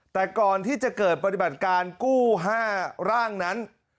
แต่ก่อนที่จะเกิดปฏิบัติการกู้๕ร่างนั้น